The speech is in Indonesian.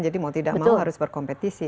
jadi mau tidak mau harus berkompetisi